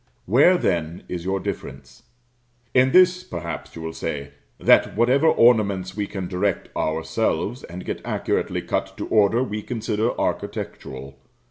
Where, then, is your difference? In this, perhaps, you will say; that whatever ornaments we can direct ourselves, and get accurately cut to order, we consider architectural.